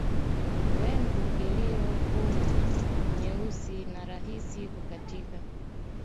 Wengu iliyofura nyeusi na rahisi kukatika